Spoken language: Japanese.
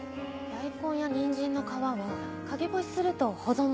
大根や人参の皮は陰干しすると保存も利きます。